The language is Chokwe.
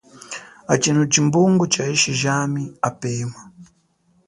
Atshino tshimbungu tsha yishi jami apema.